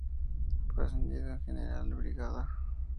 Fue ascendido a General de Brigada.